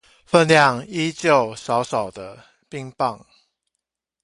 份量依舊少少的冰棒